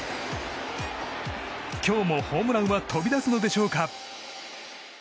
今日もホームランは飛び出すのでしょうか。